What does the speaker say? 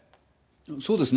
そうですね。